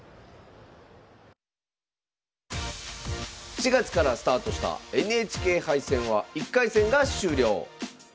４月からスタートしたＮＨＫ杯戦は１回戦が終了。